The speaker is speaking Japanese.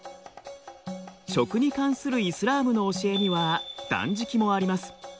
食に関するイスラームの教えには断食もあります。